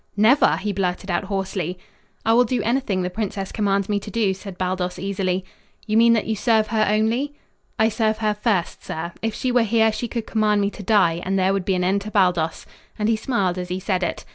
"Never!" he blurted out hoarsely. "I will do anything the princess commands me to do," said Baldos easily. "You mean that you serve her only?" "I serve her first, sir. If she were here she could command me to die, and there would be an end to Baldos," and he smiled as he said it.